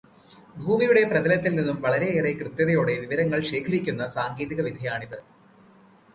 ഭൂമിയുടെ പ്രതലത്തില് നിന്നും വളരെയേറെ കൃത്യതയോടെ വിവരങ്ങള് ശേഖരിക്കുന്ന സാങ്കേതികവിദ്യയാണിത്.